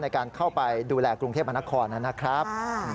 ในการเข้าไปดูแลกรุงเทพมนครนะครับ